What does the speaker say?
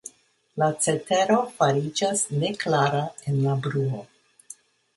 La cetero fariĝas neklara en la bruo.